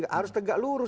harus tegak lurus